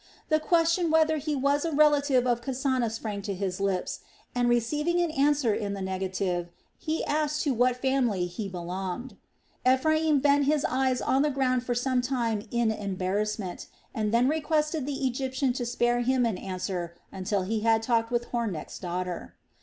The question whether he was a relative of Kasana sprang to his lips, and receiving an answer in the negative, he asked to what family he belonged. Ephraim bent his eyes on the ground for some time in embarrassment, and then requested the Egyptian to spare him an answer until he had talked with Hornecht's daughter.